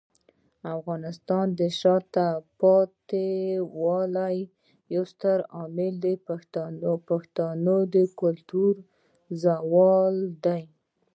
د افغانستان د شاته پاتې والي یو ستر عامل پښتنو کلتوري زوال دی.